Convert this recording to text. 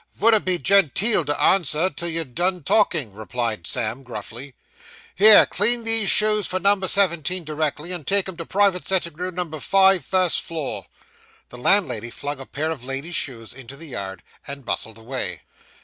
'Vouldn't be gen teel to answer, till you'd done talking,' replied Sam gruffly. 'Here, clean these shoes for number seventeen directly, and take 'em to private sitting room, number five, first floor.' The landlady flung a pair of lady's shoes into the yard, and bustled away.